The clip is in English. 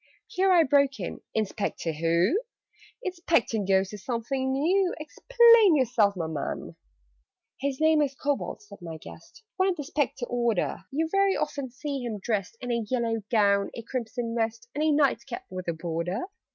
Here I broke in "Inspector who? Inspecting Ghosts is something new! Explain yourself my man!" "His name is Kobold," said my guest: "One of the Spectre order: You'll very often see him dressed In a yellow gown, a crimson vest, And a night cap with a border.